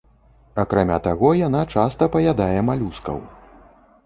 Акрамя таго, яна часта паядае малюскаў.